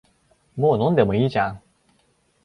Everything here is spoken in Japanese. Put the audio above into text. もう飲んでもいいじゃん